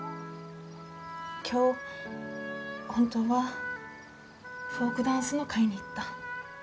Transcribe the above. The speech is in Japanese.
今日本当はフォークダンスの会に行った。